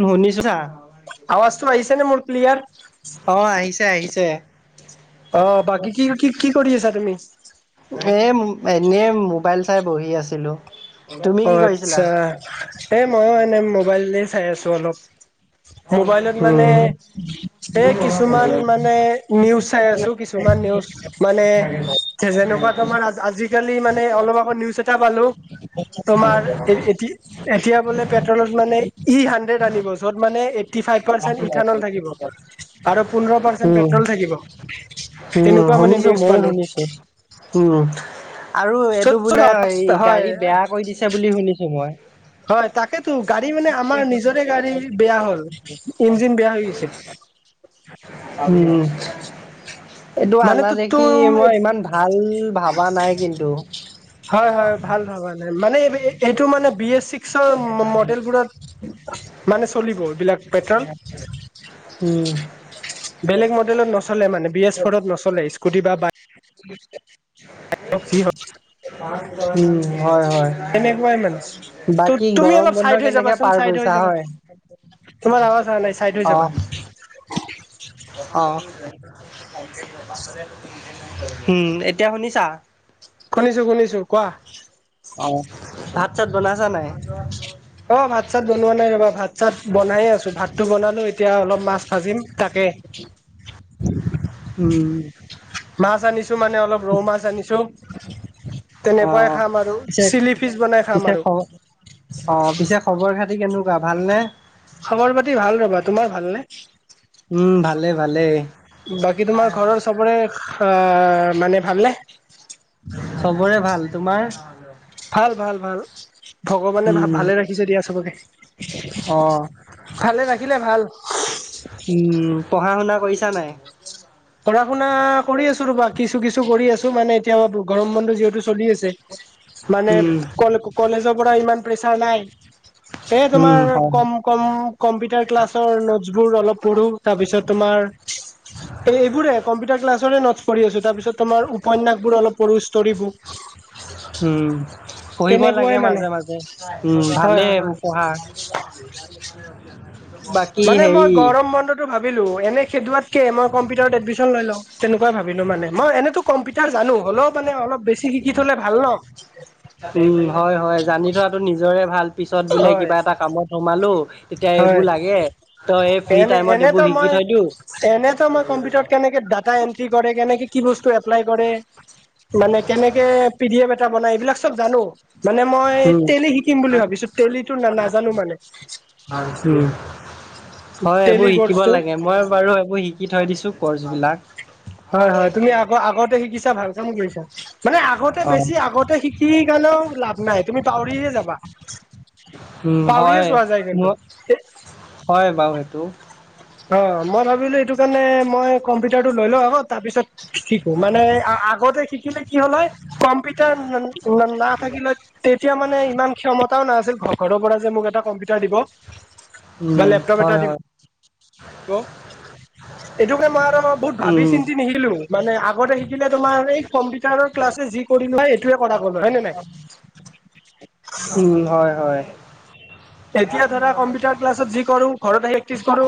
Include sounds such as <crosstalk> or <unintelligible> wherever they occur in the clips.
শুনিছ না আবাজ তো আহিছে নে মোৰ ক্লিয়াৰ? অ, আহিছে-আহিছে। অ, বাকী কি-কি-কি কৰি আছা তুমি? এ এনেই মোবাইল চাই বহি আছিলোঁ। অ, আচ্ছা এই মই এনেই মোবাইলে চাই আছো অলপ। মোবাইলত মানে উম এ কিছুমান মানে নিউজ চাই আছো কিছু কিছুমান নিউজ মানে যেনেকুৱা তোমাৰ আজিকালি মানে অলপ আকৌ নিউজ এটা পালোঁ। তোমাৰ এই এটি এতিয়া মানে পেট্ৰলত মানে ই হাড্ৰেড আনিব, য'ত মানে এইটি ফাইভ পাৰ্চেট ইথানেল থাকিব। আৰু পোন্ধৰ পাৰ্চেন্ট উম পেট্ৰল থাকিব। উম' তেনেকুৱা মানে শুনিছোঁ, নিউজ মইয়ো পালো। শুনিছোঁ উম'। আৰু এইটো চত বোলে এই গাড়ী হয় বেয়া কৰি দিছে বুলি শুনিছোঁ মই। হয়, তাকেতো গাড়ী মানে আমাৰ নিজৰে গাড়ী বেয়া হ'ল, ইঞ্জিন বেয়া হৈ গৈছে। উম'। এইটো মানে আনা তো দেখি, তুম মই ইমান ভাল ভাবা নাই কিন্তু। হয়-হয় ভাল ভাবা নাই মানে এইটো মানে বি এছ ছিক্সৰ মডেলবোৰত মানে চলিব এইবিলাক পেট্ৰল উম' বেলেগ মডেলত নচলে মানে বি এছ ফ'ৰত নচলে। স্কুটি বা বাইক বুজ যি হওক <unintelligible> উম' হয়-হয়। তেনেকুৱাই মানে ত বাকী তুমি গৰম অলপ বন্ধ চাইড হৈ কেনেকে যাবাচোন পাৰ চাইড হৈ কৰিছা যাবা হয়? তোমাৰ আৱাজ অহা নাই চাইড হৈ যাবা অহ-অহ। <unintelligible> উম' এতিয়া শুনিছা? শুনিছোঁ-শুনিছো কোৱা। অ, ভাত-চাত বনাইছা নাই? অ, ভাত-চাত বনোৱা নাই ৰবা, ভাত-চাত বনাইয়ে আছো, ভাতটো বনালো এতিয়া অলপ মাছ ভাজিম তাকে। উম। মাছ আনিছোঁ মানে অলপ ৰৌ মাছ আনিছোঁ। তেনেকুৱাই অ', খাম আৰু পিছে চিলি ফিছ বনাই খাম আৰু। খবৰ-খাতি কেনেকুৱা ভালনে? খবৰ-খাতি ভাল ৰবা। তোমাৰ ভালনে? উম, ভালে ভালে বাকী তোমাৰ ঘৰৰ চবৰে আ মানে ভালনে? চবৰে ভাল। তোমাৰ? ভাল-ভাল-ভাল ভগৱানে ভা উম, ভালে ৰাখিছে দিয়া চবকে। অ', ভালে ৰাখিলে ভাল। উম' পঢ়া-শুনা কৰিছা নাই? পঢ়-শুনা কৰি আছো ৰবা, কিছু-কিছু কৰি আছো মানে এতিয়া গৰম বন্ধু যিহেতু চলি আছে মানে উম, কলেজৰ পৰা ইমান প্ৰেচাৰ নাই। সেইয়ে উম, তোমাৰ হয়, কম কম, কম্পিউটাৰ ক্লাছৰ নোটছ বোৰ অলপ পঢ়োঁ তাৰপিছত তোমাৰ এইবোৰে কম্পিউটাৰ ক্লাছৰে নোটছ পঢ়ি আছো। তাৰপিছত তোমাৰ উপন্যাসবোৰ অলপ পঢ়ো ষ্টৰি। বুক <inaudible> উম' পঢ়িব তেনেকুৱাই লাগে মানে মাজে-মাজে, উম' হয় ভালেই হয় এইবোৰ হয় পঢ়া। বাকী সেই তো ভাবিলো এনে খেদোৱাতকে মই কম্পিউটাৰ এডমিচন লৈ লওঁ তেনেকুৱাই ভাবিলো মানে, মই এনেতো কম্পিউটাৰ জানো হ'লেও মানে অলপ বেছি শিকি থলে ভাল ন? উম হয় হয় জানি থোৱাটো নিজৰে ভাল পিছত বোলে হয় কিবা এটা কামত সোমালো তেতিয়া হয় এইবোৰ লাগে, তই এই ফ্ৰী এনে টাইমত এনেতো এইবোৰ শিকি মই থৈ দিও। এনেতো মই কম্পিউটাৰত কেনেকে ডাটা এনট টি কৰে, কেনেকে কি বস্তু এপ্লাই কৰে? মানে কেনেকে পিদিএফ এটা বনাই এইবিলাক চ চব জানো মানে মই উম, তেলী শিকিম বুলি ভাবিছো তেলিটো না নাজানো মানে। হয়টো, হয় টেলি এইবোৰ শিকিব কৰ্চটো লাগে মই বাৰু এইবোৰ শি কি থৈ দিছোঁ কৰ্চবিলাক। হয় হয় তুমি আগ আগতে শিকিছা ভাল কাম কৰিছা। মানে আগতে বেছি আগতে শিকি কাৰণেও লাভ নাই তুমি পাহৰিয়ে যাবা। উম পাহৰিয়ে হয়, যোৱা যায় ম কিন্তু হয় বাৰু সেইটো। অ মই ভাবিলো এইটো কাৰণে মই কম্পিউটাৰটো লৈ লওঁ আকৌ তাৰপিছত শিকো মানে আ আগতে শিকিলে কি হ'ল হয় কম্পিউটাৰ না না নাথাকিলে তেতিয়া মানে ইমান ক্ষমতাও নাছিল ঘৰ ঘৰৰ পৰা যে মোক এটা কম্পিউটাৰ দিব। উম হয় হয়। ক এইটোকে মই আৰু বহুত ভাবি উম চিন্তি নিশিলো মানে আগতে শিকিলে তোমাৰ এই কম্পিউটাৰৰ ক্লাছে যি কৰিলোৱা হয় সেইটোৱে কৰা গল হয় নে নাই? উম হয় হয়। এতিয়া ধৰা কম্পিউটাৰ ক্লাছত যি কৰো, ঘৰতে প্ৰেক্টিচ কৰো।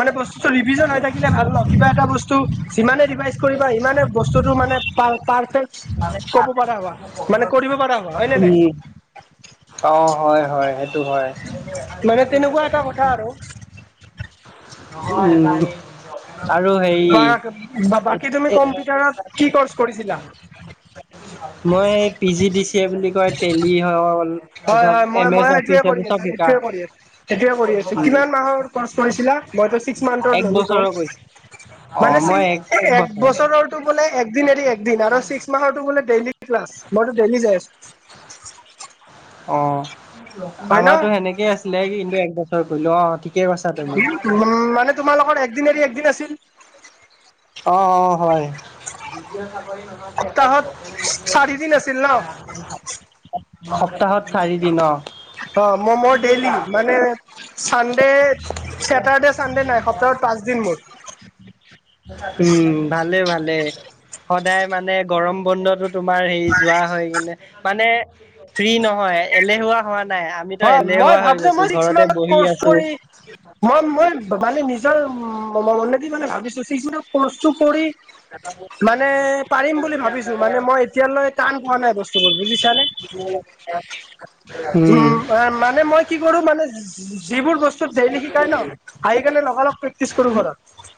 মানে বস্তুটো ৰিভিজন হৈ থাকিলে ভাল ন, কিবা এটা বস্তু যিমানে ৰিভাইজ কৰিবা সিমানে বস্তুটো মানে পাৰ পাৰফেক্টচ ক'ব পাৰা হোৱা মানে কৰিব পৰা হোৱা হয় নে নাই? উম অ হয় হয় সেইটো হয়। মানে তেনেকুৱা এটা কথা আৰু। অ এটায়ে। আৰু সাই, বা এ বাকী তুমি এ কম্পিউটাৰত কি কৰ্চ কৰিছিলা মই পি জি দি ছিয়ে বুলি কয় তেলি হল। হয়- তাৰপিছত হয় মই এম - এছ মই সেইটোৱে অফিচ কৰি এইবোৰ চব আছো শিকা সেইটোৱে কৰি আছো, সেইটোৱে কৰি আছো কিমান মাহৰ কৌচ কৰিছিলা মইতো ছিক্স এক মান্থৰ ললোঁ বছৰৰ কচ। কৰিছো অ মানে চি মই এ এক বছৰ বছৰটো বোলে এদিন এৰি এদিন আৰু চি মাহৰতো বোলে ডেইলী ক্লাছ মইতো ডেইলি যাইছো। অ হয় ন আমাৰতো সেনেকেই আছ নে কিন্তু এক বছৰ কৰিলো অ থি উম মানে তোমাৰালোকৰ একদিন এৰি একদিন আছিল। অ অ হয়। সপ্তাহত চাৰিদিন আছিল ন <unintelligible> সপ্তাহত চাৰি দিন অঁ। অ ম‌ই - মই ডেইলি মানে চানডে ছেটাৰ্ডে চানডে নাই সপ্তাহত পাঁচ দিন মোৰ। উম ভালে ভালে। সদায় মানে গৰম বন্ধতো তোমাৰ হেৰি যোৱা হয় কিনে মানে ফ্ৰী নহয় এলেহুৱা হোৱা নাই আ হয় মই ভাবছো মই ছিক্স মান্থ কচ আছো কৰি মই মই মানে নি নিজৰ ম ম মনেদি মানে ভাবিছো চিক্স মান্থ কৰছটো কৰি কাটাবো মানে পাৰিম বুলি ভাবিছো মানে মই এতিয়ালৈ টান পোৱা নাই বস্তুবোৰ বুজিছানে? <unintelligible> উম মানে মই কি কৰোঁ মানে যিবোৰ বস্তু ডেইলি শিকাই ন' আহি কেনে লগালগ প্ৰেক্টিচ কৰোঁ ঘৰত।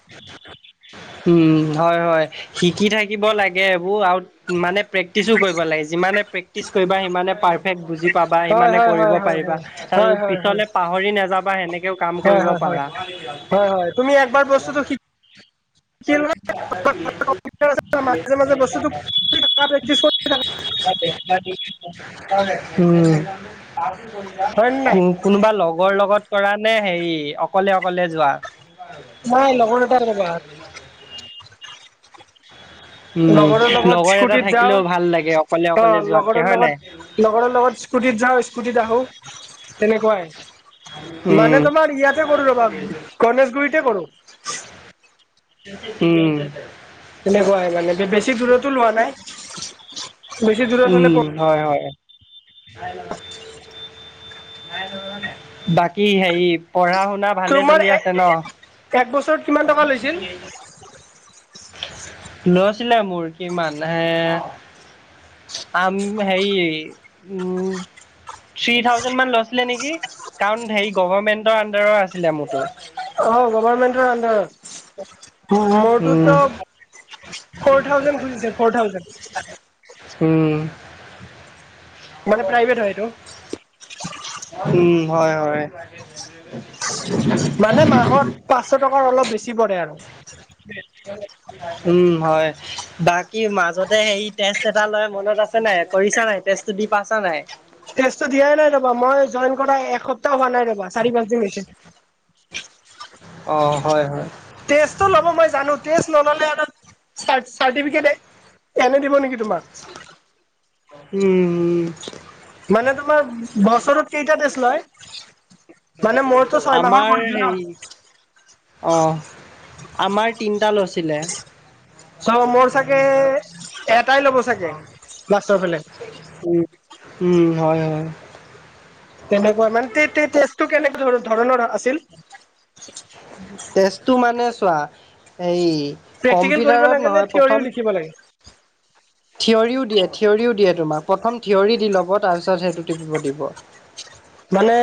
উম, হয়- হয় শিকি থাকিব লাগে এইবোৰ আৰু মানে প্ৰেক্টিচো কৰিব লাগে যিমানে প্ৰেক্টিচ কৰিবা সিমানে পা পাৰফেক্ট বুজি পাবা হয় সিমানে হয় কৰিব হয় হয় পাৰিবা আৰু হয় হয় হয় হয় পিছলে পাহৰি নাযাবা এনেকে কাম হয় কৰিব হয় হয় পাৰা। হয় হয় তুমি একবাৰ বস্তুটো <unintelligible> শিকিলা মাজে মাজে বস্তুটো প্ৰেক্টিচ কৰি থাকা উম-উম। হয় নে নাই কোনোবা লগৰ লগত কৰা নে হেৰি অকলে-অকলে যোৱা। নাই লগৰ এটাৰ <unintelligible> উম, লগৰৰ লগত লগৰ এটা স্কুটিত যাওঁ থাকিলেও ভাল লাগে অকলে-অকলে যোৱাতকে হয় নাই। লগৰ লগত স্কুটিত যাওঁ স্কুটিত আহোঁ তেনেকুৱাই। মানে উম, তোমাৰ ইয়াতে কৰোঁ ৰবা গণেশগুৰিতে কৰোঁ। উম তেনেকুৱাই মানে বেছি দূৰতো লোৱা নাই। বেছি দূৰত উম, হলে হয়-হয়। বাকী হেৰি পঢ়া শুনা ভালে তোমাৰ চলি আছে ন'? এক বছৰত কিমান টকা লৈছিল লৈছিলে মোৰ কিমান হে আম হেৰি উম থ্ৰী থাউজেণ্ড মান লৈছিলে নেকি কাৰণ হেৰি গভমেন্টৰ আডাৰৰ আছিলে মোৰতো। অ' গভমেন্টৰ আডাৰত উম মোৰটোত ফ'ৰ থাউজেণ্ড খুজিছে ফৰ থাউজেণ্ড। উম মানে প্ৰাইভেট হয়‌ এইটো। উম, হয়-হয়। মানে মাহত পাঁচশ টকাৰ অলপ বেছি পৰে আৰু। উম হয়। বাকী মাজতে হেৰি টেষ্ট এটা লৈ মনত আছে নাই কৰিছাঁ নাই টেষ্টটো দি পাইছাঁ নাই? টেষ্টটো দিয়াই নাই ৰবা মই জইন কৰা এসপ্তাহ হোৱা নাই ৰবা চাৰি পাঁচ দিন হৈছে। অ', হয়-হয়। টেষ্টটো ল'ব মই জানো টেষ্ট নল'লে আৰু চাৰ্টিফিকেট এনে দিব নেকি তোমাক। উম-উম। মানে তোমাৰ বছৰত কেইটা টেষ্ট লয়? মানে মইতো ছয় মাহৰ আমাৰ কৰিছোঁ হেৰি ন'। অ' আমাৰ তিনিটা লৈছিলে। চাও মোৰ চাগে এটাই ল'ব চাগে লাষ্টৰ ফালে। উম-উম, হয়-হয়। তেনেকুৱা মানে টেষ্টটো কেনেকে ধৰণৰ আছিল। তেছটো মানে চোৱা সেই প্ৰেক্টিকেল কৰিব কম্পিউটাৰত লাগে নে নহয় থিয়ৰিও প্ৰথম লিখিব লাগে থিয়ৰিও দিয়ে থিয়ৰিও দিয়ে তোমাক প্ৰথম থিয়ৰি দি ল'ব, তাৰপিছত সেইটো টিপিব দিব। মানে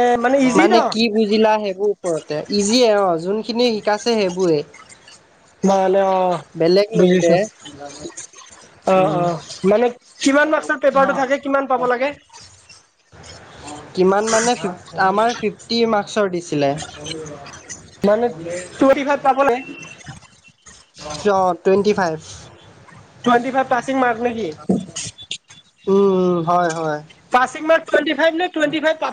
ইজি ন মানে কি নিদিলা সেইবোৰ ওপৰতে ইজিয়ে অ' যোনখিনি শিকাইছে সেইবোৰে। নল'লে অ' বেলেগ নুশুধে বুজিছোঁ। উম অ'-অ' মানে কিমান মাৰ্ক্সৰ পেপাৰটো থাকে, কিমান পাব লাগে? কিমান মানে ফিফ আমাৰ ফিফটি মাৰ্ক্সৰ দিছিলে। মানে টুৱেন্টি ফাইভ পাব লাগে। অ' twenty five. Twenty five passing mark নেকি? উম উম হয় হয়। পাচিং মাৰ্ক টুৱেন্টি ফাইভ নে টুৱেন্টি ফাইভ পা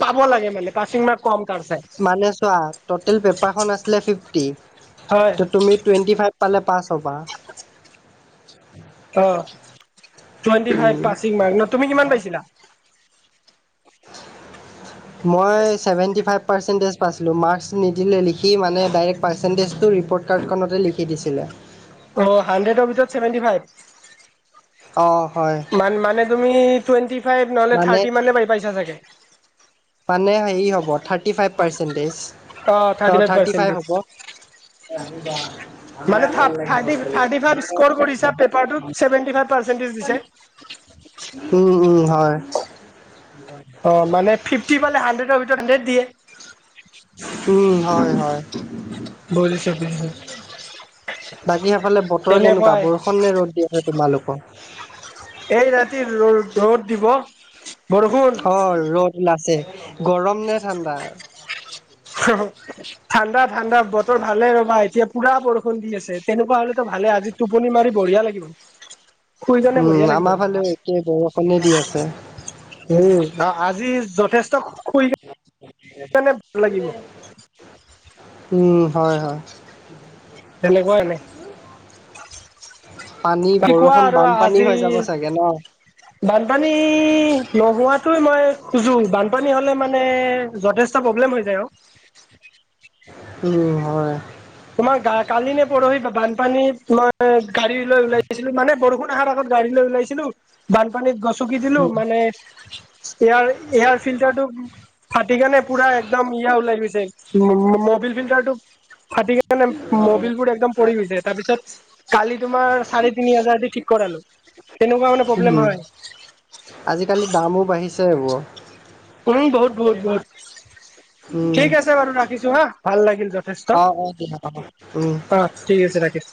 পাব লাগে মানে পাছিং মাৰ্ক কম কাৰ চাই? মানে চোৱা টটেল পেপাৰখন আছিলে ফিফটি হয়। ত তুমি টুৱেণ্টি ফাইভ পালে পাছ হবা। <inaudible> অ টুৱেণ্টি ফাইভ উম পাচিং মাৰ্ক ন। তুমি কিমান পাইছিলা? <inaudible> মই ছেভেণ্টি ফাইভ পাৰ্চেণ্টেজ পাইছিলোঁ, মাৰ্কছ নিদিলে লিখি মানে ডাইৰেক্ট পাৰ্চেন্টেজটো ৰিপৰ্ট কাৰ্ডখনতে লিখি দিছিলে। অ হাণ্ড্ৰেডৰ ভিতৰত ছেভেণ্টি ফাইভ? অঁ। হয় মান মানে তুমি টুৱেন্টি ফাইভ নহলে থাৰ্টি মানে পাই পাইছা চাগে? মানে হেয়ী হব থাৰতি ফাইভ পাৰ্চেন্টেজ, অ থাৰ্তী ফাইভ হ'ব। এ ৰাতিপুৱা মানে থাৰ্ত থাৰ্টি থাৰ্টি ফাইভ স্কৰ কৰিছা পেপাৰটোত চেভেনটি ফাইভ পাৰ্চেন্টেজ দিছে। উম উম হয়। অ মানে ফিফটি পালে হাণ্ড্ৰেতৰ ভিতৰত হাণ্ড্ৰেত দিয়ে। উম হয় হয়। বুজিছোঁ বুজিছোঁ। বাকী সেইফালে বতৰ কেনেকুৱা বৰষুণ নে ৰ'দ দি আছে তোমালোকৰ? এই ৰাতি ৰ ৰ'দ দিব। বৰষুণ অ ৰ'দ ওলা আছে, গৰম নে ঠাণ্ডা? হা - হা ঠাণ্ডা - ঠাণ্ডা বতৰ ভালে ৰবা এতিয়া পুৰা বৰষুণ দি আছে তেনেকুৱা হলে ত ভালে, আজি টোপনি মাৰি বঢ়িয়া লাগিব। শুই কেনে বঢ়িয়া উম লাগিব আমাৰ ফালেও একে বৰষুণে দি আছে। উম আ আজি যথেষ্ট শুই কেনে ভাল লাগিব? উম হয় হয়। তেনেকুৱা এনে। পানী বাকী কোৱা বৰষুণ আৰু বানপানী আজি হৈ যাব চাগে ন? বানপানী নোহোৱাটোৱে মই খুজো, বানপানী হলে মানে যথেষ ত প্ৰব্লেম হৈ যায় অ। উম হয়। তোমাৰ গা কালি নে পৰহি বানপানীত মই গাড়ী লৈ ওলাই আহিছিলো মানে বৰষুণ আহাৰ আগত গাড়ী লৈ ওলাইছিলো, বানপানীত গছকি দিলো উম মানে এয়াৰ - এয়াৰ ফিল্টাৰটো ফাটি কেনে পুৰা একদম ইয়া ওলাই লৈছে মূ্ মূ মবিল ফিল্টাৰটো ফাটি কিনে মবিল মোৰ একদম পৰি গৈছে তাৰপিছত কালি তোমাৰ চাৰে তিনি হাজাৰ দি ঠিক কৰালো। তেনেকুৱা মানে উম, প্ৰব্লেম হয় আজিকালি দামো বাঢ়িছে এইবোৰৰ। উম বহুত বহুত বহুত, উম। ঠিক আছে বাৰু ৰাখিছো হা ভাল লাগিল যত অ অ টীকা পাক উম। ঠিক আছে ৰাখিছ।